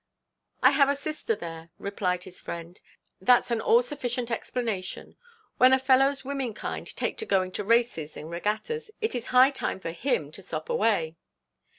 'I have a sister there,' replied his friend. 'That's an all sufficient explanation. When a fellow's women kind take to going to races and regattas it is high time for him to stop away.'